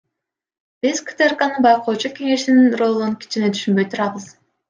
Биз КТРКнын байкоочу кеңешинин ролун кичине түшүнбөй турабыз.